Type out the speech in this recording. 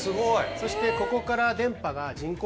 そしてここから。